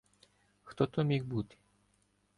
Хто то міг бути?